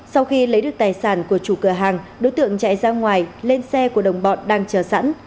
sau khi lấy được tài sản của chủ cửa hàng đối tượng chạy ra ngoài lên xe của đồng bọn đang chờ sẵn